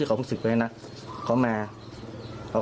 มันไม่ทรมานแล้ว